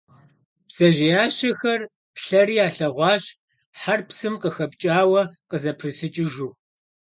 Бдзэжьеящэхэр плъэри ялъэгъуащ хьэр псым къыхэпкӀауэ къызэпрысыкӀыжу.